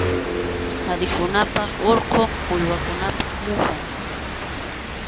Qharikunapa urqu uywakunapa muhun.